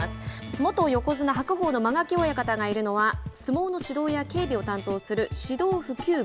元横綱・白鵬の間垣親方がいるのは相撲の指導や警備を担当する指導普及部。